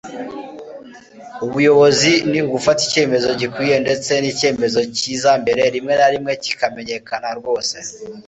ubuyobozi ni ugufata icyemezo gikwiye ndetse nicyemezo cyiza mbere, rimwe na rimwe, kikamenyekana rwose